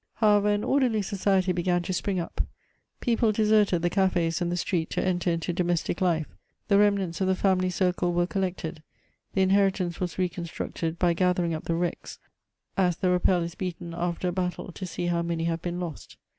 However, an orderly society began to spring up ; people de serted the cafes and the street to enter into domestic life ; the renmants of the family circle were collected ; the inherit ance was reconstructed by gathering up the wrecks, as the rappel is beaten after a battle to see how many have been lost.